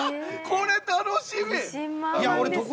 これ楽しみ。